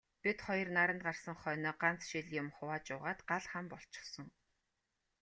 Бид хоёр наранд гарсан хойноо ганц шил юм хувааж уугаад гал хам болчихсон.